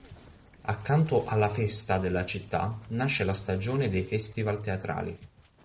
Accanto alla ‘festa’ della città, nasce la stagione dei festival teatrali.